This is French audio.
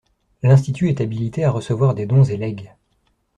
L'institut est habilité à recevoir des dons et legs.